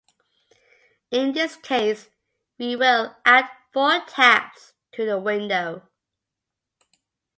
In this case, we will add four tabs to the window.